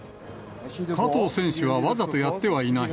加藤選手はわざとやってはいない。